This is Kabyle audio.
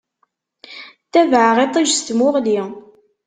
Ttabaɛeɣ iṭij s tmuɣli.